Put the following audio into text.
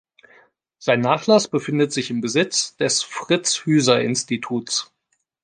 Sein Nachlass befindet sich im Besitz des Fritz-Hüser-Instituts.